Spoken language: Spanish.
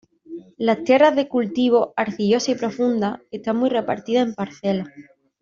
Las tierras de cultivo, arcillosas y profundas, están muy repartidas en parcelas.